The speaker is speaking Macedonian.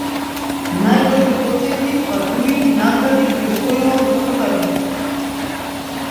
Најдобрите оценки, па дури и награди, ги освојувал за цртање.